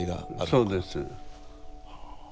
そうです。